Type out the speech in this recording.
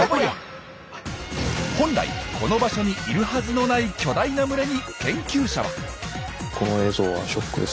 本来この場所にいるはずのない巨大な群れに研究者は。